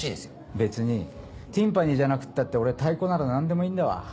別にティンパニじゃなくたって俺太鼓なら何でもいいんだわ。